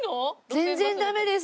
全然ダメです。